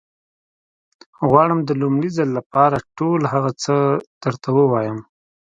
غواړم د لومړي ځل لپاره ټول هغه څه درته ووايم.